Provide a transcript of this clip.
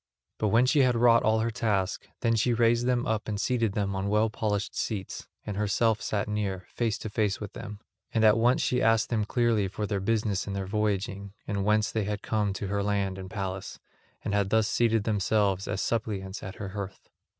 But when she had wrought all her task, then she raised them up and seated them on well polished seats, and herself sat near, face to face with them. And at once she asked them clearly of their business and their voyaging, and whence they had come to her land and palace, and had thus seated themselves as suppliants at her hearth.